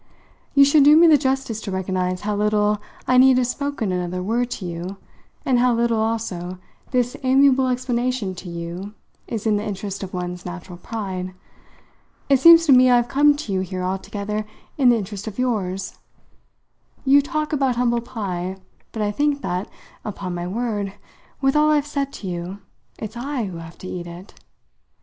"You should do me the justice to recognise how little I need have spoken another word to you, and how little, also, this amiable explanation to you is in the interest of one's natural pride. It seems to me I've come to you here altogether in the interest of yours. You talk about humble pie, but I think that, upon my word with all I've said to you it's I who have had to eat it.